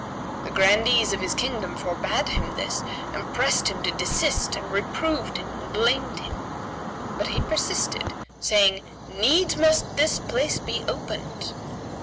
The grandees of his kingdom forbade him this and pressed him to desist and reproved him and blamed him; but he persisted saying, "Needs must this place be opened."